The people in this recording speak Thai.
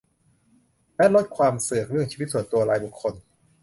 และลดความเสือกเรื่องชีวิตส่วนตัวรายบุคคล